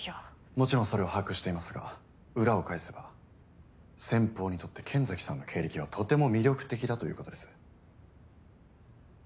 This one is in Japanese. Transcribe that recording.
もちろんそれは把握していますが裏を返せば先方にとって剣崎さんの経歴はとても魅力的だということです。